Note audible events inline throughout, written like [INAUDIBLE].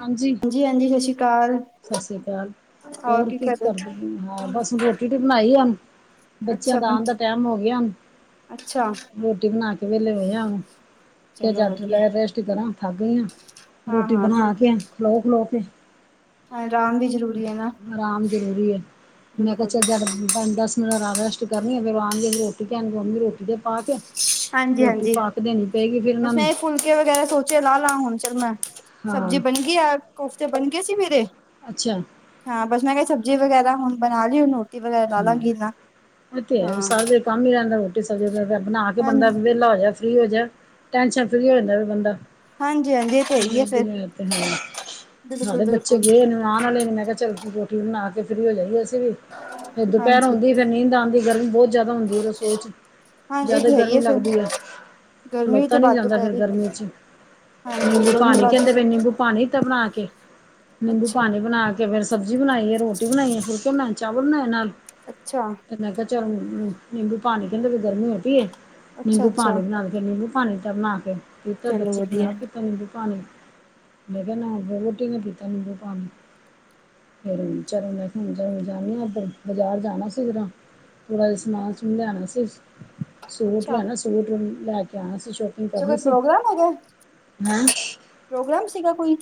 ਹਾਂਜੀ, ਹਾਂਜੀ ਹਾਂਜੀ ਸਤਿ ਸ਼੍ਰੀ ਅਕਾਲ। ਸਤਿ ਸ੍ਰੀ ਅਕਾਲ ਹੋਰ ਕੀ ਕਰਦੇ ਹਾਂ ਬਸ ਰੋਟੀ ਰੁਟੀ ਬਣਾਈ ਆ ਹੁਣ। ਬੱਚਿਆਂ ਅੱਛਾ ਦਾ ਬੰ ਆਣ ਦਾ ਟਾਈਮ ਹੋ ਗਿਆ ਹੁਣ ਅੱਛਾ ਰੋਟੀ ਬਣਾ ਕੇ ਵਿਹਲੇ ਹੋਏ ਆ। ਕੇ ਚਲੋ ਜੱਡ ਵਧੀਆ ਲੈ ਰੈਸਟ ਕਰਾਂ ਥੱਕ ਗਈਆਂ ਹਾਂ ਰੋਟੀ ਹਾਂ ਬਣਾ ਬਿਲਕੁਲ ਕੇ ਖਲੋ ਖਲੋ ਕੇ। ਆਰਾਮ ਵੀ ਜ਼ਰੂਰੀ ਹੈ ਨਾ ਆਰਾਮ ਜਰੂਰੀ ਹੈ, ਮੈਂ ਕਿਹਾ ਬਿਲਕੁਲ ਚਲ ਜਦ ਬਿਲਕੁਲ, ਬਣਦਾ। ਰੈਸਟ ਕਰਨੀ ਆ ਫੇਰ ਆ ਰੋਟੀ ਕਹਿਣ ਉਮੀ ਰੋਟੀ ਤੇ ਪਾ ਕੇ, ਰੋਟੀ ਹਾਂਜੀ-ਹਾਂਜੀ, ਪਾ ਕੇ ਦੇਣੀ ਪਏਗੀ ਫਿਰ ਇਹਨਾਂ ਬਸ ਮੈਂ ਨੂੰ ਇਹ ਫੁਲਕੇ ਵਗੈਰਾ ਸੋਚ ੇ ਲਾ ਲਾ ਹੁਣ ਚਿਰ ਮੈਂ ਹਾਂ ਸਬਜ਼ੀ ਬਣ ਗਈ ਆ ਕੋਫਤੇ ਬਣ ਗਏ ਸੀ ਮੇਰੇ, ਅੱਛਾ, ਹਾਂ ਬਸ ਮੈਂ ਕਿਹਾ ਸਬਜ਼ੀ ਵਗੈਰਾ ਹੁਣ ਬਣਾ ਲਈ ਉਹਨੂੰ, ਹਾਂ ਇਹ ਤੇ ਹੈ ਹਾਂ ਸਜ ਕੰਮ ਹੀਈ ਰਹਿੰਦਾ ਰੋਟੀ ਸਬਜ਼ ਬਣਾ ਕੇ ਹਾਂ ਬੰਦਾ ਵਿਹਲਾ ਹੋ ਜਾ, ਫਰੀੀ ਹੋ ਜਾਵੇ ਟੈਂਨਸ਼ਨ ਫਰੀੀ ਹੋ ਜਾਂਦਾ ਫ ਬੰਦਾ, ਹਾਂਜੀ ਹਾਂਜੀ ਇਹ ਤੇ ਹੈਗੀ ਵਧੀਆ ਹੈ ਫਿਰ ਔ ਤੇ ਹੈ ਈ ਬਿਲਕੁਲ ਨਾਲੇ ਬੱਚੇ ਬਿਲਕੁਲ ਗਏ ਨੇ, ਨਾ ਨਾਲ ਲੈਣੀ ਮੈਂ ਕਿਹਾ, ਚੱਲ ਕੋਠੀ ਬਣਾ ਕੇ ਫਰੀ ਹੋ ਜਾਈ ਅਸੀਂ ਵੀ ਫੇਰ ਦੁਪਹਿਰ ਹਾਂਜੀ ਆਦੀ ਫੇਰ ਨੀਂਦ ਆਦੀ ਗਰਮੀ ਬਹੁਤ ਜ਼ਿਆਦਾ ਹੁੰਦੀ ਰਸੋਈ ਚ ਹਾਂ ਇਹ ਜ਼ਿਆਦਾ, ਤੇ ਹੈ ਹੀ ਗਰਮੀ ਹੈ ਲੱਗਦੀ ਏ, ਫਿਰ ਗਰਮੀ ਵੀ ਖਲੋਤਾ ਤੇ ਨੀ ਵਾਧੂ ਜਾਂਦਾ ਪੈ ਫਿਰ ਰਹੀ ਗਰਮੀ ਚ, ਹਾਂਜੀ ਨਿੰਬੂ ਗਰਮੀ ਪਾਣੀ ਵਾਧੂ ਕਹਿੰਦੇ ਵੇ, ਨਿੰਬੂ ਪਾਣੀ ਬਣਾ ਕੇ। ਨਿੰਬੂ ਅੱਛਾ ਪਾਣੀ ਬਣਾ ਕੇ, ਫੇਰ ਸਬਜ਼ੀ ਬਣਾ, ਈਏ, ਰੋਟੀ ਬਣਾਈਏ, ਫੁਲਕੇ ਬਣਾਏ, ਚਾਲ ਬਣਾਏ ਨਾਲ। ਅੱਛਾ ਮੈਂ ਕਿਹਾ ਚਲ ਨਿੰਬੂ ਪਾਣੀ, ਕਹਿੰਦੇ ਫੇਰ ਗਰਮੀ ਹੋਗੀ ਏ, ਨਿੰਬੂ ਅੱਛਾ ਪਾਣੀ ਬਣਾ ਲੋ ਫੇਰ ਨਿੰਬੂ [UNINTELLIGIBLE] ਪਾਣੀ ਦਾ ਬਣਾਕੇ ਪੀਤਾ, ਚਲੋ ਬੱਚੇ ਨੂੰ ਵਧੀਆ। ਆਪ ਪੀਤਾ, ਨਿੰਬੁ ਪਾਣੀ। ਮੇਰੇ ਨਾ, ਕਿਹਾ ਵਓਟੀ ਨੇ ਪੀਤਾ ਨੀਬੂ ਪਾਨੀ। ਫਿਰ ਚਰ [UNINTELLIGIBLE] ਬਜ਼ਾਰ ਜਾਣਾ ਸੀ ਜਰਾ, ਥੋੜਾ ਜਿਹਾ ਸਮਾਨ-ਸੁਮਾਨ ਲਿਆਣ ਵਾਸਤੇ ਸੀ, ਸੂਟ ਅੱਛਾ, ਲੈਣਾ ਸੀ ਸੂਟ ਲੈਕੇ ਆਣਾ ਸੀ ਸ਼ੋਪਿੰਗ ਅੱਛਾ ਕੋਈ ਕਰਨੀ ਸੀ, ਪ੍ਰੋਗਰਾਮ ਹੈਗਾ, ਹੈਂ। ਪ੍ਰੋਗਰਾਮ ਸੀਗਾ ਕੋਈ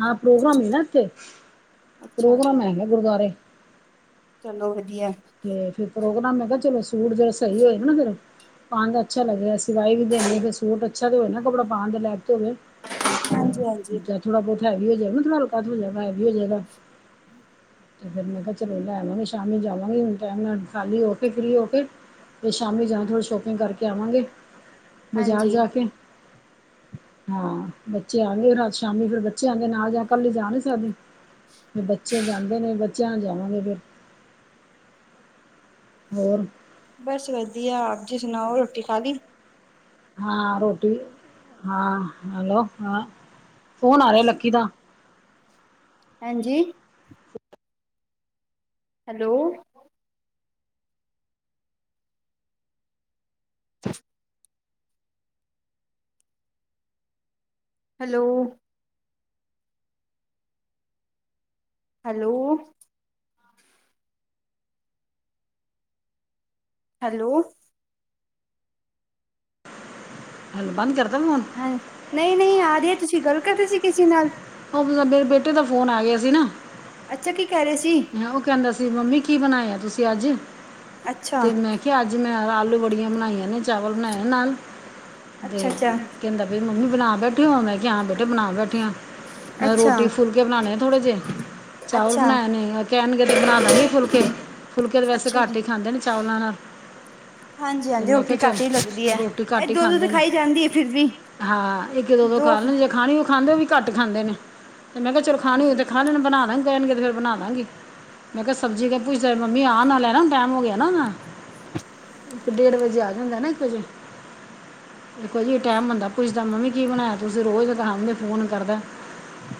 ਹਾਂ ਪ੍ਰੋਗਰਾਮ ਹੀ ਨਾ ਇੱਥੇ ਅੱਛਾ, ਪ੍ਰੋਗਰਾਮ ਹੈਗੇ ਗੁਰਦੁਆਰੇ ਚਲੋ ਵਧੀਆ, ਤੇ ਫਿਰ ਪ੍ਰੋਗਰਾਮ ਮੈਂ ਕਿਹਾ ਚਲੋ ਸੂਟ ਜਹੜ ਸਹੀ ਹੋਏ ਨਾ ਫਿਰ ਖਣ ਦਾ ਅੱਛਾ ਲੱਗਹਾ ਸਿਵਾ ਵੀ ਦੇ, ਸੋਟ ਅੱਛਾ ਤੇ ਹੋਵੇ ਨਾ ਕੱਪੜਾ ਪਾਉਣ ਦੇ ਲੈਕ ਤੇ ਹੋਵੇ, ਹਾਂਜੀ, ਹਾਂਜੀ, ਥੋੜਾ ਬਹੁਤ ਹੈ ਵੀ ਹੋ ਜਾਗਾ ਨਾੱਤ ਹੋ ਜਾ ਹੈ ਵੀ ਹੋ ਜਾਏਗਾ, ਤੇ ਫੇਿਰ ਮੈਂ ਕਿਹਾ ਚਲੋ ਲੈ ਆਵਾਂਗੇ ਸ਼ਾਮੀ ਜਾਵਾਂਗੇ ਹੁਣ ਟਮ ਨਾਲ ਖਾਲੀ ਕੇ ਫਰੀ ਹੋ ਕੇ, ਫਿਰ ਸ਼ਾਮੀ ਜਾਣਾ ਥੋੜ੍ਹੀ ਸ਼ੋਪਿੰਗ ਕਰਕੇ ਆਵਾਂਗੇ, ਬਜ਼ਾਰ ਹਾਂਜੀ। ਜਾ ਕੇ ਹਾਂ ਬੱਚੇ ਆ ਗਏ ਰਾਜ, ਸ਼ਾਮੀ ਫੇਰ ਬੱਚੇ ਆਦੇ ਨਾਲ ਜਾਂ ਕੱਲੀ ਜਾ ਨਹੀਂ ਸਕਦੇ, ਫ ਬੱਚੇ ਜਾਂਦੇ ਨੇ ਬੱਚਿਆਂ ਨੂੰ ਜਾਵਾਂਗੇ ਫਿਰ, ਹੋਰ, ਬਸ ਵਧੀਆ ਆਪ ਜੀ ਸੁਣਾਓ? ਰੋਟੀ ਖਾਲੀ ਹਾਂ ਰੋਟੀ ਹਾਂ ਹੈਲੋ ਹਾਂ ਫੌਣ ਆ ਰਿਹਾ ਲੱਕੀ ਦਾ, ਹਾਂਜੀ, ਹੈਲੋ ਹੈਲੋ ਹੈਲੋ, ਹੈਲੋ ਹਲ ਬੰਦ ਕਰਦਾਂ 'ਮੈਂ ਹੁਣ। ਹਾਂ ਨਈ-ਨਈ ਆ ਰਹੀ ਐ ਤੁਸੀਂ ਗੱਲ ਕਰ ਰੇ ਸੀ ਕਿਸੀ ਨਾਲ। ਉਹ ਮਲਬ ਬੇ ਬੇਟੇ ਦਾ ਫੋਨ ਆ ਗਿਆ ਸੀ ਨਾ। ਅੱਛਾ ਕੀ ਕਹਿ ਰਹੇ ਸੀ। ਉਹ ਕਹਿੰਦਾ ਸੀ ਮੰਮੀ ਕੀ ਬਣਾਇਆ ਤੁਸੀਂ ਅੱਜ, ਅੱਛਾ, ਤੇ ਮੈਂ ਕਿਹਾ ਅੱਜ ਮੈਂ ਆਲੂ ਬੜੀਆਂ ਬਣਾਈਆਂ ਨੇ ਚਾਵਲ ਬਣਾਏ ਨਾਲ ਅੱਛਾ, ਤੇ ਅੱਛਾ, ਕਹਿੰਦਾ ਵੀ ਮੰਮੀ ਬਣਾ ਬੈਠੀ ਹੋ ਮੈਂ ਕਿਹਾ ਹਾਂ ਬੇਟੇ ਬਣਾ ਬੈਠੇ ਹ ਮੈਂ ਕਿਹਾ ਅੱਛਾ, ਰੋਟੀ ਫੁਲ ਬਨਾਣੇ ਥੋੜੇ ਜਹੇ ਚਾਵਲ ਅੱਛਾ, ਬਣਾਏ ਨੇ ਕਹਿਣਗੇ ਤੇ ਬਣਾਦਾ ਗੇ ਫੁਲਕੇ-ਫੁਲਕੇ ਤੇ ਵੈਸੇ ਅੱਛਾ ਜੀ। ਘੱਟ ਹੀ ਖਾਂਦੇ ਨੇ ਚਾਵਲਾਂ ਨਾਲ ਤੇ ਹਾਂਜੀ-ਹਾਂਜੀ ਮੈਂ ਰੋਟੀ ਕਿਹਾ ਚੱਲ ਘੱਟ ਹੀ ਲੱਗਦੀ ਐ ਰੋਟੀ ਘੱਟ ਇਹ ਹੀ ਦੋ ਦੁੱਧ ਖਾਂਦੇ ਨੇ ਖਾਈ ਜਾਂਦੀ ਐ ਫਿਰਰ ਵੀ ਹਾਂ ਇੱਕ ਦੋ-ਦੋ ਦੋ ਖਾ ਲ ਜਾਂ ਖਾਣੀ ਉਹ ਖਾਂਦੇ ਹੋ ਵੀ ਘੱਟ ਖਾਂਦੇ ਨੇ ਤੇ ਮੈਂ ਕਿਹਾ ਚਲੋ ਖਾਣੀ ਹੋਏ ਹਾਂਜੀ, ਤੇ ਖਾ ਲੈਣ ਬਣਾ ਦਾਂਗੇ ਕਹਿਣਗੇ ਤੇ ਫੇਰ ਬਣਾ ਦਾਂਗੀ ਮੈਂ ਕਿਹਾ ਸਬਜ਼ੀ ਕ ਪੁੱਛਦਾ ਮੰਮੀ ਆਉਣ ਨਾਲੈ ਨਾ ਟਾਈਮ ਹੋ ਗਿਆ ਨਾ ਡੇਢ ਵਜੇ ਆ ਹੁੰਦਾ ਨਾ ਇੱਕ ਇੱਕੋ ਜੇ ਟੈਮ ਹੁੰਦਾ ਪੁੱ ਮੰਮੀ ਕੀ ਬਣਾਇਆ ਤੁਸੀਂ ਰੋਜ਼ ਤਾਂ ਹ ਫੋਨ ਕਰਦਾ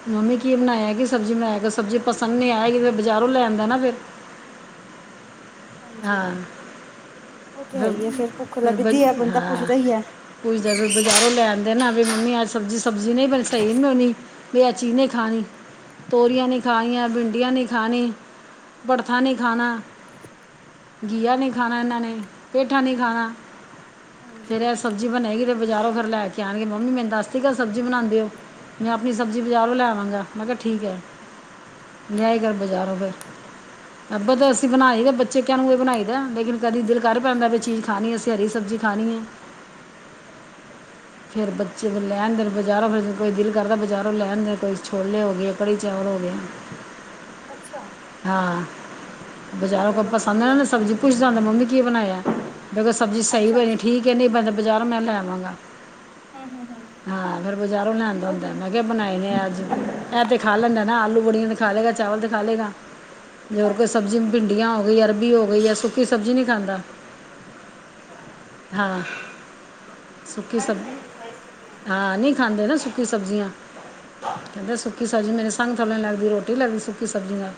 ਮੰਮੀ, ਕੀ ਬਣਾਇਆ ਈ, ਕੀ ਸਬਜ਼ੀ ਬਣਾਇਆ ਈ, ਸਬਜ਼ੀ ਪਸੰਦ ਨਹੀਂ ਆਏਗੀ ਤਾਂ ਬਜ਼ਾਰੋਂ ਲੈ ਆਂਦਾ ਨਾ ਫੇਰ। ਹਾਂਜੀ। ਹਾਂ, ਉਹ ਤੇ ਹੈ ਫਿਰ ਹੀ ਹੈ ਫੇਰ ਭੁੱਖ ਫਿਰਬ ਲੱਗਦੀ ਹੈ ਬੰਦਾ ਹਾਂ ਪੁੱਛਦਾ ਹੀ ਹੈ। ਪੂਜਾ ਦਾ ਵੀਰ ਬਜ਼ਾਰੋਂ ਲੈਣ ਦੇ ਨਾ ਵੀਰ ਮੰਮੀ ਅੱਜ ਸਬਜ਼ੀ ਸਬਜ਼ੀ ਨਹੀਂ ਸਈ ਨੀ ਬਣੀ ਵਿ ਅਚੀਨੇ ਖਾਣੀ ਤੋਰੀਆਂ ਨਹੀਂ ਖਣੀਆਂ ਭਿੰਡੀਆਂ ਨਹੀਂ ਖਣੀ ਭੜਥਾ ਨਹੀਂ ਖਾਣਾ ਗੀਆ ਨਹੀਂ ਖਾਣਾ ਇਹਨਾਂ ਨੇ ਪੇਠਾ ਨਹੀਂ ਖਾਣਾ ਹਾਂਜੀ ਫਿਰ ਐਸ ਸਬਜ਼ੀ ਬਣੇਗੀ ਤੇ ਬਜ਼ਾਰੋਂ ਫਿਰ ਲੈ ਕੇ ਆਉਣਗੇ, ਮੰਮੀ ਮੈਨੂੰ ਦੱਸਦੀ ਸਬਜੀ ਬਣਾਉਂਦੇ ਹੋ। ਮੈਂ ਆਪਣੀ ਸਬਜ਼ੀ ਬਜ਼ਾਰੋਂ ਲੈਵਾਂਗਾ ਮੈਂ ਕਿਹਾ ਠੀਕ ਹੈ। ਲਿਆਏ ਗਾ ਬਜਾਰੋ ਫਿਰ ਅੱਗੇ ਤੇ ਅਸੀਂ ਬਣਾਈ ਤੇ ਬ। ਬੱਚੇ ਕਹਨ ਓਹੀ ਬਣਾਈ ਦਾ ਲੇਕਿਨ ਕਦੇ ਦਿਲ ਕਰ ਪੈਂਦਾ, ਵੀ ਚੀਜ਼ ਖਾਣੀ ਅਸੀਂ ਹਰੀ ਹਾਂਜੀ ਸਬਜ਼ੀ ਖਾਣੀ ਹੈ। [UNINTELLIGIBLE] ਫਿਰ ਬੱਚੇ ਨੂੰ ਲੈਣ ਦੇਣ ਬਜ਼ਾਰੋਂ ਫਿਰ ਕੋਈ ਦਿਲ ਕਰਦਾ, ਬਜ਼ਾਰੋਂ ਲੈਣ ਦੇਣ ਕੋਈ ਛੋਲੇ ਹੋ ਗਏ। ਕੜੀ ਚੋਲ ਹੋ ਗਿਆ। ਅੱਛਾ। ਹਾਂ ਬਜ਼ਾਰੋਂ ਕੋ ਚਲੋ ਪਸੰਦ ਨਾ ਵਧੀਆ ਨਾ ਸਬਜ਼ੀ ਪੁੱਛ ਜਾਂਦਾ ਮੰਮੀ ਕੀ ਬਣਾਈਏ। ਵੇਖੋ ਸਬਜ਼ੀ ਸਹੀ ਅੱਛਾ ਬਣੀ ਅੱਛਾ ਠੀਕ ਹੈ, ਨਹੀਂ ਬਜ਼ਾਰੋਂ ਮੈਂ ਲੈ ਆਵਾਂਗਾ। ਹਮ ਹਮ ਹਮ ਹਾਂ, ਅਗਰ ਬਜ਼ਾਰੋਂ ਲਿਆਂਦਾ ਉਹ ਹੁੰਦਾ ਤੇ ਮੈਂ। ਬਣਾਏ ਨੇ ਅੱਜ ਇਹ ਤੇ ਖਾ ਲੈਂਦਾ ਨਾ ਆਲੂ ਬੜੀਆਂ ਤੇ ਖਾ ਲਏਗਾ ਚਾਵਲ ਤੇ ਖਾ ਲਏਗਾ ਜੇ ਹੋਰ ਕੋਈ ਹਾਂਜੀ ਸਬਜ਼ੀ ਭਿੰਡੀਆਂ ਹੋ ਗਈ, ਅਰਬੀ ਹੋ ਗਈ ਜਾਂ ਸੁੱਕੀ ਸਬਜ਼ੀ ਨਹੀਂ ਖਾਂਦਾ ਹਾਂ। ਸੁੱਕੀ ਸਬ ਹਾਂਜੀ ਆਈ ਸਾਡੀ ਸਾਰੀ ਸਬਜ਼ੀਆਂ ਹਾਂ ਨਹੀਂ ਖਾਂਦੇ ਨਾ ਸੁੱਕੀ ਸਬਜ਼ੀਆਂ ਕਹਿੰਦੇ ਸੁੱਕੀ ਸਬਜ਼ੀ ਮੇਰੀ ਸੰਗ ਥੱਲੇ ਲੱਗਦੀ ਰੋਟੀ ਲੱਗਦੀ ਸੁੱਕੀ ਸਬਜ਼ੀ ਦਾ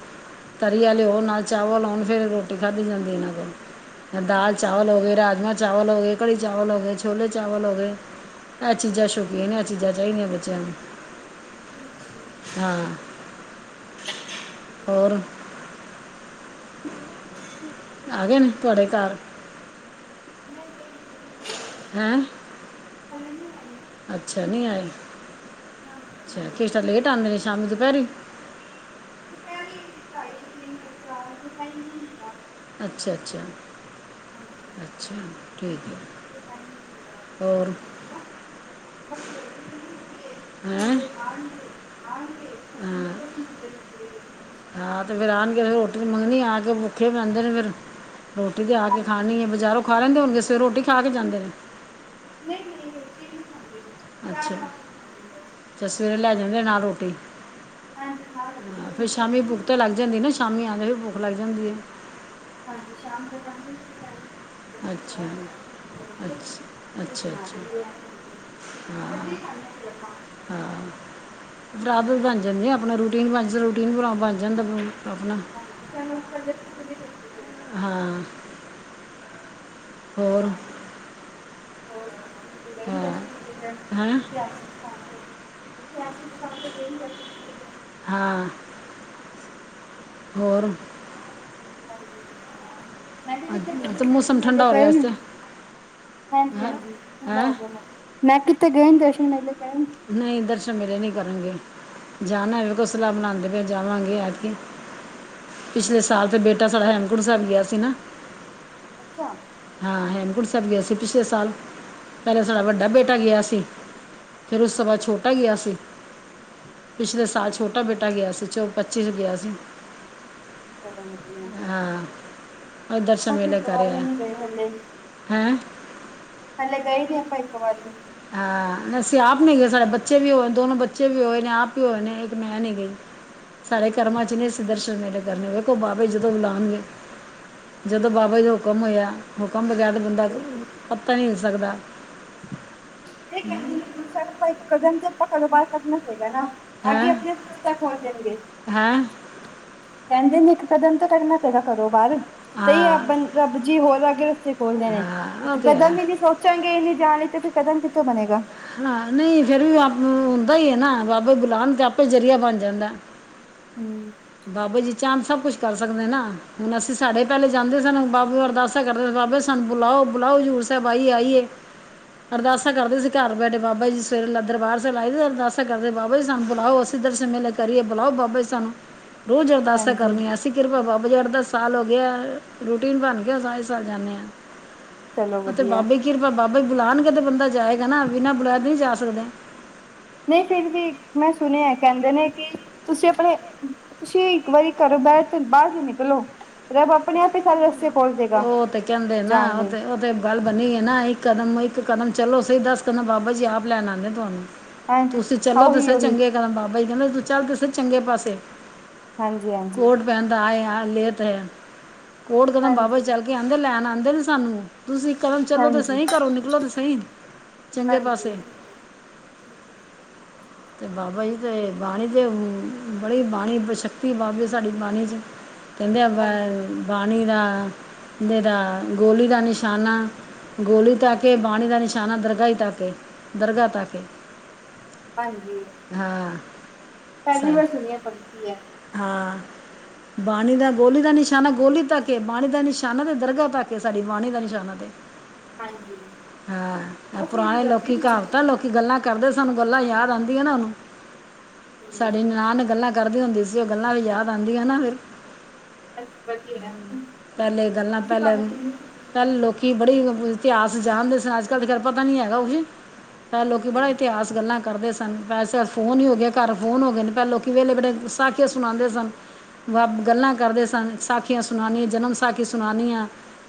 ਤਰੀਆ ਲਿਆਓ ਨਾਲ ਚਾਵਲ ਆਉਣ ਫੇਰ ਰੋਟੀ ਖਾਧੀ ਜਾਂਦੀ ਇਹਨਾਂ ਕੋਲ ਦਾਲ ਚਾਵਲ ਹੋਗਏ, ਰਾਜਮਾ ਚਾਵਲ ਹੋ ਗਏ, ਕੜੀ ਚਾਵਲ ਹੋ ਗਏ, ਛੋਲੇ ਚਾਵਲ ਹੋ ਗਏ ਇਹ ਚੀਜ਼ਾਂ ਸ਼ੌਕੀਨ ਇਹ ਚੀਜ਼ਾਂ ਚਾਹੀਦੀਆਂ ਬੱਚਿਆਂ ਨੂੰ ਹਾਂ, ਹੋਰ ਆ ਗਏ ਨ ਤੁਹਾਡੇ ਘਰ ਹੂੰ। ਹੈਂ ਹਲੇ ਨੀ ਹੈ ਅੱਛਾ ਨਹੀ ਆਏ। ਨਾ ਨਾ ਅੱਛਾ ਹਲੇ ਨਹੀਂ ਕਿਸ ਟਾਈਮ ਆਏ ਲੇਟ ਆਉਂਦੇ ਨੇ ਸ਼ਾਮ ਨੂੰ ਦੁਪਹਿਰੇ। ਦੁਪਹਿਰੀ ਢਾਈ ਤਿੰਨ ਚਾਰ ਕੋ ਟਾਈਮ ਹੁੰਦਾ। ਅੱਛਾ-ਅੱਛਾ। ਹਾਂਜੀ, ਟਾਈਮ ਹੁੰਦਾ ਹੋਰ ਜਾਣ ਦਾ। ਹੈਂ ਆਣਗੇ। ਹਾਂਜੀ ਪਸਿਨੋ ਪਸੀਨੇ ਹੋ ਗਏ ਨੇ ਪੂਰੇ ਦਿਨ। ਵਿੱਚ। ਹਾ ਤੇ ਫੇਰ ਆਣਗੇ ਫਿਰ ਰੋਟੀ ਮੰਗਣੀ ਆ ਕੇ ਭੁੱਖੇ ਜਾਂਦੇ ਨੇ ਫਿਰ। ਰੋਟੀ ਦੇ ਆ ਕੇ ਹਾਂਜੀ ਖਾਣੀ ਹੈ ਹਾਂਜੀ ਬਜ਼ਾਰੋ ਖਾ ਲੈਂਦੇ ਹੋਣਗੇ ਸਵੇ ਰੋਟੀ ਖਾ ਕੇ ਜਾਂਦੇ ਨੇ। ਨਈ-ਨਈ ਰੋਟੀ ਨੀ ਖਾਂਦੇ ਜੀ। ਅੱਛਾ, ਫੇਰ ਸਵੇਰੇ ਲੈ ਜਾਂਦੇ ਨਾਲ ਰੋਟੀ। ਹਾਂਜੀ ਹਾਂ ਰਹਿੰਦੇ ਫੇਰ ਨੇ ਸ਼ਾਮੀ ਛੱਡਦੇ ਭੁੱਖ ਤੇ ਲੱਗ ਜਾਂਦੀ ਨਾ ਸ਼ਾਮੀ ਆਂਦੇ ਨੇ ਭੁੱਖ ਲੱਗ ਜਾਂਦੀ ਹੈ। ਹਾਂਜੀ ਸ਼ਾਮ ਦੇ ਪੰਜ ਵਜੇ ਟੈਮ। ਅੱਛਾ-ਅੱਛਾ, ਫਿਰ ਬਣਾ ਅੱਛਾ-ਅੱਛਾ। ਦੇਂਗੇ ਆ ਫੁਲਕੇ ਇਕੱਠੇ ਹੀ ਖਾਂਦੇ ਹਾਂ ਫਿਰ ਆਪਾਂ ਹਾ-ਹਾ ਬਰਾਬਰ ਬਣ ਜਾਂਦੀਆਂ ਆਪਣੇ ਰੂ ਰਟੀਨ ਬਚ ਜਾ ਰੂਟੀਨ ਭਰਾ ਬਣ ਜਾਂਦਾ ਆਪਣਾ। ਹਾਂਜੀ ਸਾਨੂੰ ਪਹਿਲੇ ਸੁੱਕ ਨੀ ਕਡੀ ਦੇ। ਹਾਂ। ਹੋਰ। ਹੋਰ ਸੁਣਾਉ ਕਿਥੇ ਗਏ ਨੀ ਹਾਂ ਦਰਸਨ ਮੇਲੇ ਕਰਨ ਹੈਂ ਇਤਿਹਾਸਿਕ ਸਥਾਨ ਤੇ। ਇਤਿਹਾਸਿਕ ਸਥਾਨ ਗਏ ਨੀ ਦਰਸਨ ਮੇਲੇ ਕਰਨ। ਹਾਂ। ਹੋਰ। ਹਾਂਜੀ, ਮੈਂ ਕਿਆ ਕਿੱਥੇ ਗਏ ਨੀ ਕਿੱਥੇ ਦਰਸ਼ਨ ਮੇਲੇ ਕਰਨ। ਹਾਂਜੀ-ਹਾਂਜੀ ਠੰਡਾ ਹੋ ਗਿਆ ਮੌ ਮੈਂ ਕਿਥੇ ਗਏ ਦਰਸ਼ਨ ਮੇਲੇ ਕਰਨ। ਨਹੀ ਦਰਸ਼ਨ ਮੇਰੇ ਨਹੀ ਕਰਨਗੇ। ਜਾਣਾ ਏ ਵੇਖੋ ਸਲਾਹ ਬਣਾਦੇ ਪਏ ਜਾਵਾਂਗੇ ਐਤਕੀ। ਪਿਛਲੇ ਸਾਲ ਅੱਛਾ ਤੇ ਬੇਟਾ ਸਾਡਾ ਹੈੇਮਕੁੰਟ ਸਾਹਿਬ ਗਆ ਸੀ ਨਾ। ਅੱਛਾ। ਹਾਂ ਹੈੇਮਕੁਟ ਸਾਹਿਬ ਗਿਆ ਸੀ ਪਿਛਲੇ ਸਾਲ, ਪਹਿਲਾ ਸਾਡਾ ਵੱਡਾ ਬੇਟਾ ਗਿਆ ਸੀ। ਫਿਰ ਉਸ ਤੋਂ ਅੱਛਾ ਬਾਦ ਛੋਟ ਟਾ ਗਿਆ ਸੀ ਪਿਛਲੇ ਸਾਲ ਛੋਟਾ ਬੇਟਾ ਗਿਆ ਸੀ ਚੋ ਪੱਚੀ ਚ ਗਿਆ ਸੀ। ਚਲੋ ਵਧੀਆ। ਹਾਂਦਰਸ਼ਨ ਆਪਾਂ ਤੇ ਮੇਲੇ ਇੱਕ ਕਰ ਵਾਰ ਵੀ ਆਯਾ, ਨੀ ਗਏ ਹਾਂ ਪੈਲੇ ਗਏ ਦੇਆ ਆਪਾ ਏਕ ਵਾਰੀ। ਹਾ ਅਸੀੇ ਆਪ ਨੀ ਗਏ ਸਾਰੇ ਬੱਚੇ ਵੀ ਹੋਏ ਦੋਨੋ ਬੱਚੇ ਵੀ ਹੋਏ ਨੇ ਆਪ ਵੀ ਹੋਏ ਨੇ ਇੱਕ ਮੈਂ ਨੀ ਗਈ। ਸਾਡੇ ਕਰਮਾ ਚ ਨਹੀ ਸੀ ਦਰਸਨ ਮੇਲੇ ਕਰਨੇ ਵੇਖੋ ਬਾਬੇ ਜਦੋਂ ਬੁਲਾਉਣਗੇ। ਜਦੋਂ ਬਾਬਾ ਜੀ ਹੁਕਮ ਹੋਇਆ ਹੁਕਮ ਬਗੈਰ ਬੰਦਾ ਪਤਾ ਨੀ ਹਿਲ ਸਕਦਾ। ਹਮ। ਰੂ ਆਪਾ ਕਦਮ ਤੇ ਆਪਾ ਘਰੋ ਬਹਾਰ ਕਡਣਾ ਚਾਹੀਦਾ ਨਾ। ਹੈ ਆਗੇ ਅਪਣੇ ਵਵਸਥਾ ਖੋਲ ਦੇਣਗੇ। ਹੈ ਹਾਂ ਕਹਿੰਦੇ ਨੇ ਇੱਕ ਕਦਮ ਤਾ ਕੱਢਣਾ ਪਏਗਾ ਘਰੋ ਬਾਹਰ। ਤੇਈ ਹਾਂ ਰਬ ਰੱਬ ਜੀ ਹੋਰ ਅੱਗੇ ਰਸਤੇ ਖੋਲਦੇ ਨੇ ਇੱਕ ਉਹ ਤੇ ਕਦਮ ਹੈ ਵੀ ਨੀ ਸੋਚ ਚਾਂਗੇ ਇ ਜਾਣ ਲਈ ਤੇ ਫਿਰ ਕਦਮ ਕਿੱਥੋਂ ਬਣੇਗਾ। ਹਾ ਨਹੀ ਫੇਰ ਵੀ ਆ ਹੁੰਦਾ ਹੀ ਹੈ ਨਾ ਬਾਬਾ ਬੁਲਾਉਣ ਤਾ ਆਪੇ ਜ਼ਰੀਆ ਬਣ ਜਾਂਦਾ। ਹੂੰ। ਬਾਬੇ ਜੀ ਚਾਂਨ ਸਭ ਕੁਛ ਕਰ ਸਕਦੇ ਨਾ ਹੁਣ ਅਸੀਂ ਸਾਡੇ ਪਹਿਲੇੇ ਜਾਂਦੇ ਸ ਬਾਬੇ ਅਰਦਾਸ ਦਾ ਕਰਦੇ ਸਾ ਬਾਬੇ ਸਾਨੂੰ ਬੁਲਾਓ-ਬੁਲਾਓ ਹਜ਼ੂਰ ਸਾਹਿਬ ਆਈਏ-ਆਈਏ। ਅਰਦਾਸਾ ਕਰਦੇ ਸੀ ਘਰ ਬੈਠੇ ਬਾਬਾ ਜੀ ਸਵੇਰੇ ਲ ਦਰਬਾਰ ਲਾਈ ਦਾ ਅਰਦਾਸਾ ਕਰਦੇ ਬਾਬਾ ਜੀ ਸਾਨੂੰ ਬੁਲਾਓ ਅਸ ਦਰਸ਼ਨ ਸੇੇਲੇ ਕਰੀਏ ਬੁਲਾਓ ਬਾਬਾ ਜੀ ਸਾਨੂੰ ਰੋਜ਼ ਅਰਦਾਸਾ ਹਾਂਜੀ ਕਰਨੀਆਂ। ਕਿਰਪਾ ਬਾਬਾ ਜੀ ਅਠ, ਦਸ ਸਾਲ ਹੋ ਗੇ ਆ ਰੂਟੀਨ ਬਣ ਗਿਆ ਸਾਲ ਦੀ ਸਾਲ ਜਾਂਨੇ ਆ। ਚਲੋ ਉਹ ਤੇ ਵਧੀਆ ਬਾਬੇ ਕਿਰਪਾ ਬਾਬਾ ਈ ਬੁਲਾਣਗੇ ਤੇ ਬੰਦਾ ਜਾਏਗਾ ਨਾ ਬਿਨਾ ਬੁਲਾਏ ਨੀ ਜਾ ਸਕਦੇ। ਨਈ ਫਿਰ ਵੀ ਮੈਂ ਸੁਣਿਆ ਐ ਕਹਿੰਦੇ ਨੇ ਕਿ ਤੁਸੀ ਅਪਣੇ ਤੁਸੀ ਇੱਕ ਵਾਰੀ ਘਰੋ ਬਹਿਠ ਬਾਰ ਤੇ ਨਿਕਲੋ ਰੱਬ ਆਪਣੇ ਆਪ ਈ ਸਾਰੇ ਰੱਸੇ ਓ ਤੇ ਕਹਿੰਦੇ ਨਾ ਓ ਓਹਤੇ ਗੱਲ ਬਣੀ ਐ ਨਾ ਇੱਕ ਕਦਮ ਇੱਕ ਕਦਮ ਚਲੋ ਸਹੀ ਦਸ ਕਦਮ ਬਾਬਾ ਜੀ ਆਪ ਲੈਣ ਆਂਦੇ ਤੁਹਾਨੂੰ। ਤੁਸੀ ਹਾਂ ਚਲੋ ਤੇ ਉਹੀ ਸਹੀ ਉਹੀ ਚੰਗੇ ਕਰਮ। ਬਾਬਾ ਜੀ ਕਹਿੰਦੇ ਤੂੰ ਚੱਲ ਤੇ ਸਹੀ ਚੰਗੇ ਪਾਸੇ। ਹਾਂਜੀ ਹਾਂਜੀ। ਪੈਂਦਾ ਆਏ ਆ ਲੇਤ ਹੈ। ਕੋਟ ਕਦਮ ਬਾਬਾ ਜੀ ਹਾਂਜੀ ਚੱਲ ਕੇ ਆਂਦੇ ਲੈਣ ਆਂਦੇ ਨੇ ਸਾਨੂੰ। ਤੁਸੀ ਇਕ ਕਦਮ ਚੱਲੋ ਤੇ ਹਾਂਜੀ ਸਹੀ ਘਰੋਂ ਨਿਕਲੋ ਤੇ ਸਹੀ ਚੰਗੇ ਹਾਂਜੀ ਪਾਸੇ। ਬਿਲਕੁਲ ਤੇ ਬਾਾਬਾ ਜੀ ਤੇ ਬਾਣੀ ਤੇ ਬੜੀ ਬਾਣੀ ਸ਼ਕਤੀ ਬਾਬੇ ਥਸਾਡੀ ਬਾਣੀ ਚ। [INAUDIBLE] ਕਹਿੰਦੇ ਆ ਬ ਹਾਂਜੀ ਬਾਣੀ ਦਾ ਦੇ ਦਾ ਗੋਲੀ ਦਾ ਨਿਸ਼ਾਨਾ ਗੋਲੀ ਤਾ ਕੇ ਬਾਣੀ ਦਾ ਨਿਸ਼ਾਨਾ ਦਰਗਾ ਈ ਤਕ ਏ ਦਰਗਾਹ ਤਕ ਏ। ਹਾਂਜੀ। ਹਾਂ। ਪਹਿਲੀ ਵਾਰ ਸਰ ਸੁਣੀ ਐ ਪਕੀ ਐ। ਹਾਂ। ਬਾਣੀ ਦਾ ਗੋਲੀ ਦਾ ਨਿਸ਼ਾਨਾ ਗੋਲੀ ਤੱਕ ਏ। ਬਾਣੀ ਦਾ ਨਿਸ਼ਾਨਾ ਤੇ ਦਰਗਾਹ ਤੱਕ ਏ ਸਾਡੀ ਬਾਣੀ ਦਾ ਨਿਸ਼ਾਨਾ। ਤੇ [INAUDIBLE] ਹਾਂ। ਐ ਉਹ ਫਿਰ ਪੁਰਾਣੇ ਰੱਬੀ ਲੋਕੀ ਰੂਹ ਹੈ ਕਹਾਵਤਾਂ ਲੋਕੀ ਗੱਲਾਂ ਕਰਦੇ ਸਾਨੂੰ ਗੱਲਾਂ ਯਾਦ ਆਂਦੀ ਆ ਨਾ ਓਨੂੰ। ਸਾਡੀ ਨਾ ਨਨਾਨ ਗੱਲਾਂ ਕਰਦੀ ਹੁੰਦੀ ਸੀ। ਜੇ ਗੱਲਾਂ ਯਾਦ ਆਂਦੀਆਂ ਨਾ ਫੇਰ ਵਧੀਆ ਹੈ ਇਸੀ ਪਹਿਲੇ ਗੱਲਾਂ ਪਹਿਲੇ ਬਹਾਨੇ ਮੈਨੂੰ ਪਹਿਲੇ ਲੋਕੀ ਬੜੀ ਇਤਿਹਾਸ ਜਾਣਦੇ ਸਨ। ਅੱਜ ਕੱਲ੍ਹ ਤੇ ਖੈਰ ਪਤਾ ਨੀ ਹੈਗਾ ਕੁਝ। ਪੈਲ ਲੋਕੀ ਬੜਾ ਹਾਂਜੀ ਇਤਿਹਾਸ ਗੱਲਾਂ ਕਰਦੇ ਸਾ ਫੋਨ ਹੀ ਹੋ ਗਿਆ ਘਰ ਫੋਨ ਹੋ ਗਏ ਨੇ। ਪੈਂਦੇ ਲੋਕੀ ਵੇਲੇ ਬੈਠੇ ਸਾਖੀਆਂ ਸੁਣਾਂਦੇ ਸਨ। ਬ ਗੱਲਾਂ ਕਰਦੇ ਸਨ ਸਾਖੀਆਂ ਸੁਣਾਣੀ ਜਨਮ ਸਾਖੀ ਸੁਣਾਉਣੀਆਂ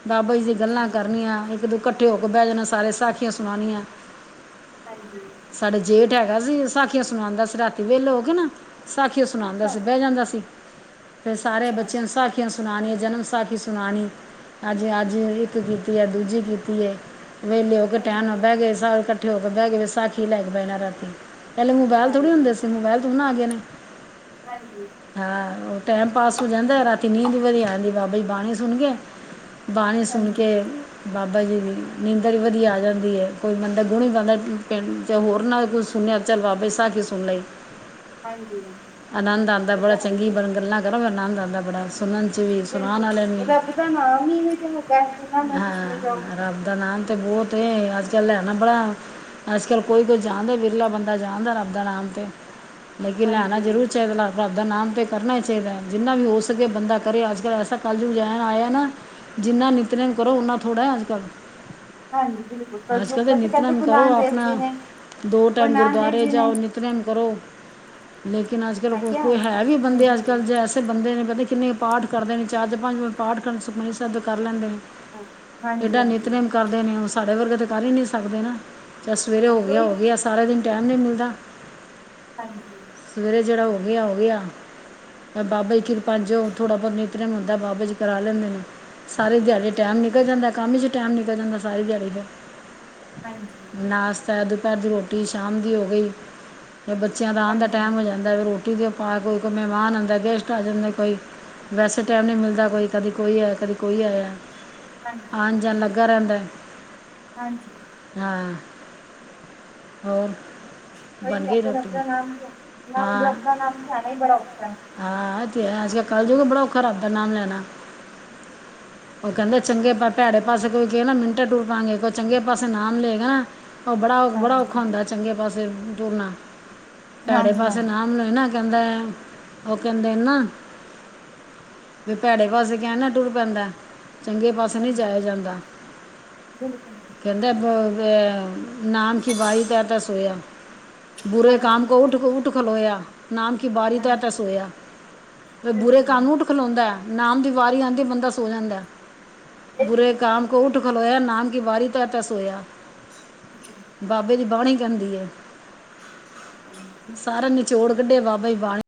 ਬਾਬਾ ਜੀ ਗੱਲਾਂ ਹਾਂਜੀ ਕਰਨੀਆਂ ਇੱਕ ਦੋ ਇਕੱਠੇ ਹੋ ਕੇ ਬਹਿ ਜਾਣਾ ਸਾਰੇ ਸਾਖੀਆਂ ਸੁਣਾਉਣੀਆਂ। ਹਾਂਜੀ ਸਾਡਾ ਜੇਠ ਹੈਗਾ ਸੀ ਸਾਖੀਆਂ ਸੁਣਾਉਂਦਾ ਸੀ ਰਾਤੀ ਵੇਹਲੇ ਹੋ ਕੇ ਨਾ। ਸਾਖੀਆਂ ਸੁਣਾਉਂਦਾ ਅੱਛਾ ਸੀ ਬਹਿ ਜਾਂਦਾ ਸੀ ਫਿਰ ਸਾਰੇ ਅੱਛਾ ਬੱਚਿਆਂ ਨੂੰ ਸਾਖੀ ਸਾੱਖੀਆਂ ਸੁਣਾਣੀ ਜਨਮ ਸਾਖੀ ਸੁਣਾਣੀ ਅੱਜ ਅੱਜ ਇੱਕ ਕੀਤੀ ਏ ਦੂਜੀ ਕੀਤੀ ਏ। ਵੇਲੇ ਹੋਕੇ ਹੂੰ ਟਾਈਣ ਨਲ ਹੂੰ ਬਹਿ ਗਏ ਸਾਰੇ ਇਕੱਠੇ ਹੋ ਕੇ ਬਹਿ ਗਏ ਸਾਖੀ ਲੈ ਕੇ ਬਹਿਣਾ ਪਹਿਲੇ ਮੋਬਾਇਲ ਥੋੜੀ ਹਾਂਜੀ ਹੁੰਦੇ ਸੀ, ਮੋਬਾਇਲ ਤੇ ਹੁਨ ਆ ਗਏ ਨੇ। ਹਾਂਜੀ ਹਾਂ ਓ ਟੈਮ ਪਾਸ ਹੋ ਜਾਂਦਾ ਐ ਰਾਤੀ ਨੀਂਦ ਵਦੀਆ ਆਂਦੀ ਬਾਬਾ ਜੀ ਬਾਣੀ ਸੁਣਕੇ। ਬਾਣੀ ਸੁਣ ਕੇ ਹਾਂਜੀ ਬਾਬਾ ਜੀ ਦੀ ਨੀਂਦਰ ਵਧੀਆ ਆ ਜਾਂਦੀ ਏ। ਕੋਈ ਬੰਦਾ ਗੁਣੀ ਗਾਉਂਦਾ ਪਿੰਡ ਚ ਹੋਰ ਨਾਲ ਕੁਛ ਸੁਣਿਆ ਚੱਲ ਬਾਬੇ ਸਾਖੀ ਸੁਣ ਲਈ। ਹਾਂਜੀ ਹਾਂਜੀ ਆਨੰਦ ਆਂਦਾ ਇਹ ਬੜੀ ਤਾਂ ਹੈ ਹੀ ਚੰਗੀ ਹੈ ਗੱਲਾਂ ਨੰਦ ਆਂਦਾ ਬੜਾ ਸ ਸੁਨਨ ਚ ਵੀ ਸੁਨਾਨ ਬਿਲਕੁਲ ਵਾਲੇ ਬਿਲਕੁਲ ਵੀ ਰੱਬ ਦਾ ਨਾਮ ਹੀ ਇਵੇਂ ਜਿਹਾ ਹੈਗਾ ਹੈ ਜਿੰਨਾ ਮਰਜ਼ੀ ਸੁਣੇ ਜਾਓ ਹਾਂ ਰੱਬ ਦਾ ਨਾਂ ਤੇ ਬੋਤ ਏ ਅੱਜ ਕਲ ਲੈਣਾ ਬੜਾ ਅੱਜ ਕੱਲ ਕੋਈ ਕੋਈ ਜਾਣਦਾ ਵੀ ਲਾ ਬੰਦਾ ਜਾਣਦਾ ਰੱਬ ਦਾ ਨਾਮ ਤੇ ਲੇਕਿਨ ਲੈਣਾ ਹਾਂਜੀ ਜਰੂਰ ਹਾਂਜੀ ਚਾਈਦਾ। ਰੱਬ ਦਾ ਨਾਮ ਤੇ ਕਰਨਾ ਈ ਚਾਹੀਦਾ। ਜਿੰਨਾ ਵੀ ਹੋ ਸਕੇ ਬੰਦਾ ਕਰੇ। ਅੱਜ ਕੱਲ ਐਸਾ ਕੱਲਜੁਗ ਲੈਣ ਆਇਆ ਨਾ ਜਿੰਨਾ ਨਿਤਨੇਮ ਕਰੋ ਓਨਾ ਥੋੜ੍ਹਾ ਐ ਅੱਜ ਕੱਲ੍ਹ। ਹਾਂਜੀ ਬਿਲਕੁਲ ਅੱਜ ਕੱਲ ਕਲਯੁੱਗ ਤੇ ਦਾ ਕਹਿੰਦੇ ਨਿੱਤਨੇਮ ਗੁਰੂ ਕਰੋ ਨਾਨਕ ਦੇਵ ਆਪਣਾ ਜੀ ਨੇ ਦੋ ਗੁਰੂ ਟਾਈਮ ਨਾਨਕ ਦੇਵ ਗੁਰਦੁਆਰੇ ਜੀ ਨੇ ਜਾਓ। ਕਰਮ ਕਰੋ ਲੇਕਿਨ ਅਜ ਕਲ ਮੈਂ ਕਿਹਾ ਕੋਈ ਹੈ ਵੇ ਹੂੰ ਬੰਦੇ ਅਜ ਕਲ ਹੂੰ ਜੇ ਦੇ ਬੰਦੇ ਨੇ ਪਤਾ ਕਿੰਨੇ ਕੁ ਪਾਠ ਕਰਦੇ ਨੇ ਚਾਰ ਤੋ ਪੰਜ ਵਾਰ ਪਾਠ ਕਰ ਸੁਖਮਨੀ ਸਾਹਿਬ ਦੇ ਕਰ ਲੈਂਦੇ ਨੇ। ਹਾਂ ਹਾਂਜੀ ਏਡਾ ਹਾਂਜੀ ਨਿਤਨੇਮ ਕਰਦੇ ਨੇ ਉਹ ਸਾਡੇ ਵਰਗੇ ਤੇ ਕਰ ਹੀ ਨੀ ਸਕਦੇ ਨਾ। ਚੱਲ ਸਵੇਰੇ ਹੋ ਹਾਂਜੀ ਗਿਆ ਉਹੀ ਹੋ ਨਾ ਗਿਆ ਸਾਰਾ ਦਿਨ ਟਾਈਮ ਨੀ ਮਿਲਦਾ। ਹਾਂਜੀ ਸਵੇਰੇ ਜਿਹੜਾ ਹੋ ਗਿਆ ਹੋ ਗਿਆ ਬਾਬੇ ਦੀ ਕਿਰਪਾ ਜੋ ਥੋੜਾ ਬਹੁਤਾ ਨਿ ਜਿਨਾ ਹੁੰਦਾ ਬਾਬਾ ਜੀ ਕਰਾ ਲੈਂਦੇ ਨੇ ਸਾਰੇ ਦਿਹਾੜੀ ਟਾਈਮ ਬਿਲਕੁਲ, ਨਿਕਲ ਹਾਂਜੀ ਜਾਂਦਾ ਕੰਮ ਚ ਟੈਮ ਨਿਕਲ ਜਾਂਦਾ ਸਾਰੀ ਦਿਯਾੜੀ ਫੇਰ ਹਾਂਜੀ ਨਾਸ਼ਤਾ, ਦੁਪਹਿਰ ਦੀ ਰੋ ਰੋਟੀ ਸ਼ਾਮ ਦੀ ਹੋ ਗਈ ਤੇ ਬੱਚਿਆਂ ਦਾ ਆਨ ਦਾ ਟੈਮ ਹੋ ਜਾਂਦਾ ਫੇਰ ਰੋਟੀ ਦਯੋ ਪਾ ਕੇ ਕੋਈ ਮਹਿਮਾਨ ਆਂਦਾ ਗੈਸਟ ਆ ਜਾਂਦੇ ਕੋਈ ਵੈਸੇ ਟਾਈਮ ਨਹੀਂ ਮਿਲਦਾ ਕੋਈ ਕਦੀ ਕੋਈ ਆਯਾ ਕਦੀ ਕੋਈ ਆਯਾ ਹਾਂਜੀ ਆਣ ਬਿਲਕੁਲ ਜਾਣ ਲੱਗਾ ਰਹਿੰਦਾ ਹਾਂਜੀ ਹਾਂ। ਹੋਰ? ਕਈ ਬਣ ਗਈ ਕਹਿੰਦੇ ਰੋਟੀ ਰਬ ਦਾ ਨਾਮ, ਨਾਮ ਹਾਂ ਜਪਣਾ ਨਾਮ ਲੈਣਾ ਈ ਬੜਾ ਔਖਾ ਹੈ। ਹਾਂ ਏ ਤੇ ਹੈ ਅਜ ਕਲ ਕੱਲਜੁਗ ਏ ਬੜਾ ਔਖਾ ਰੱਬ ਦਾ ਨਾਮ ਲੈਣਾ। [INAUDIBLE] ਉਹ ਕਹਿੰਦੇ ਚੰਗੇ, ਭੈੜੇ ਪਾਸੇ ਕੋਈ ਕਹੇ ਨਾ ਮਿੰਟੇ ਤੂਰ ਪਾਂਗੇ, ਕੋਈ ਚੰਗੇ ਪਾਸੇ ਨਾਮ ਲਏਗਾ ਨਾ ਉਹ ਬੜਾ-ਬੜਾ ਹਾਂਜੀ ਔਖਾ ਹੁੰਦਾ ਚੰਗੇ ਪਾਸੇ ਤੁਰਨਾ, ਭੈੜੇ ਹਾਂਜੀ ਪਾਸੇ ਹਾਂਜੀ ਨਾਮ ਲਏ ਨਾ ਕਹਿੰਦਾ ਉਹ ਕਹਿੰਦੇਨ ਨਾ ਬਈ ਭੈੜੇ ਪਾਸੇ ਕਹਿਣ ਨਾ ਤੁਰ ਪੈਂਦਾ, ਚੰਗੇ ਪਾਸੇ ਨਹੀਂ ਜਾਯਾ ਹਾਂਜੀ ਜਾਂਦਾ ਬਿਲਕੁਲ ਬਿਲਕੁਲ ਕਹਿੰਦੇ [UNINTELLIGIBLE] ਨਾਮ [UNINTELLIGIBLE] ਤਾਂ ਸੋਯਾ ਬੁਰੇ ਹਾਂਜੀ ਕਾਮ ਕੋ ਉਠ-ਊਠ ਖਲੋਯਾ। ਨਾਮ ਕੀ ਬਾਰੀ ਤਹਿ ਹਾਂਜੀ ਤੇ ਸੋਯਾ ਤੇ ਬੁਰੇ ਬਿਲਕੁਲ ਕਾਮ ਨੂ ਉੱਠ ਖਲੋਂਦਾ ਨਾਮ ਦੀ ਵਾਰੀ ਆਂਦੀ ਬੰਦਾ ਸੋ ਜਾਂਦਾ। ਬੁਰੇ ਇਹ ਕਾਮ ਕੋ ਉੱਠ ਖਲੋਯਾ ਨਾਮ ਕੀ ਬਾਰੀ ਤਹਿ-ਤਹਿ ਸੋਯਾ। [INAUDIBLE] ਬਾਬੇ ਦੀ ਬਾਣੀ ਕਹਿੰਦੀ ਏ ਸਾਰਾ ਨਿਚੋੜ ਕੱਢਿਆ ਬਾਬੇ ਦੀ ਬਾਣੀ